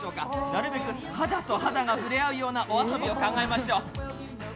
なるべく肌と肌が触れ合うようなお遊びを考えましょう。